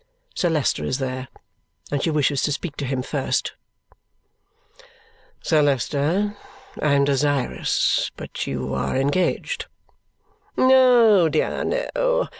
Sir Leicester is there, and she wishes to speak to him first. "Sir Leicester, I am desirous but you are engaged." Oh, dear no!